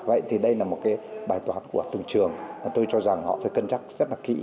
vậy thì đây là một cái bài toán của từng trường tôi cho rằng họ phải cân chắc rất là kỹ